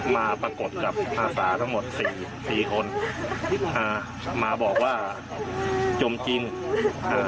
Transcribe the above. ปรากฏกับอาสาทั้งหมดสี่สี่คนอ่ามาบอกว่าจมจริงเอ่อ